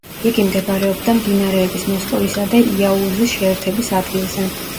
იგი მდებარეობდა მდინარეების მოსკოვისა და იაუზის შეერთების ადგილზე.